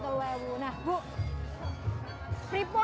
oh sekilo telung telung itu